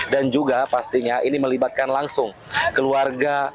dan juga pastinya ini melibatkan langsung keluarga